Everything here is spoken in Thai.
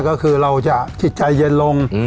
ก็คือเราจะจิตใจเย็นลง